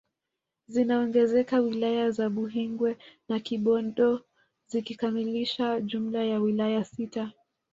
Zinaongezeka wilaya za Buhingwe na Kibondo zikikamilisha jumla ya wilaya sita